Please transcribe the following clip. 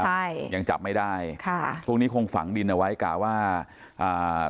ใช่ยังจับไม่ได้ค่ะช่วงนี้คงฝังดินเอาไว้กะว่าอ่า